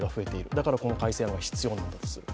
だからこの改正案は必要なんですよと。